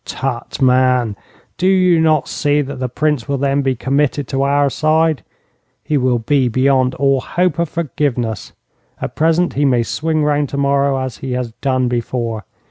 'Tut, man, do you not see that the Prince will then be committed to our side? He will be beyond all hope of forgiveness. At present he may swing round tomorrow as he has done before.